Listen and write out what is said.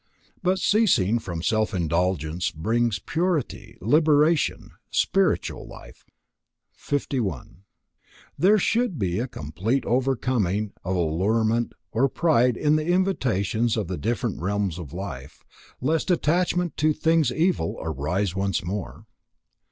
But ceasing from self indulgence brings purity, liberation, spiritual life. 51. There should be complete overcoming of allurement or pride in the invitations of the different realms of life, lest attachment to things evil arise once more.